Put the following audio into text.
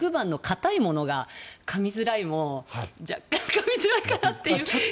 なんなら６番の硬いものがかみづらいも若干かみづらいかなという気がする。